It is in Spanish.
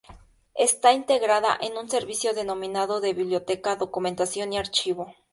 Está integrada en un servicio denominado de Biblioteca, Documentación y Archivo.